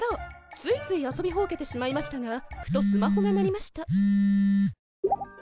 ついつい遊びほうけてしまいましたがふとスマホが鳴りました